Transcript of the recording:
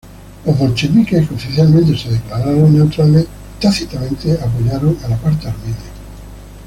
Los bolcheviques que oficialmente se declararon neutrales, tácitamente apoyaron a la parte armenia.